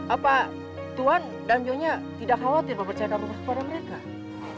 apa tuhan dan nyonya tidak khawatir mempercayakan rumah kepada mereka